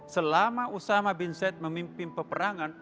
selama usama bin said memimpin peperangan